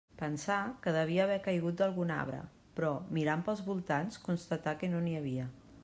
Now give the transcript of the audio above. Pensà que devia haver caigut d'algun arbre, però, mirant pels voltants, constatà que no n'hi havia.